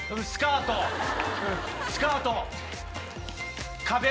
スカート。